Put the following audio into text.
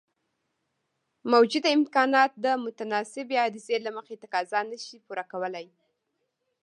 موجوده امکانات د متناسبې عرضې له مخې تقاضا نشي پوره کولای.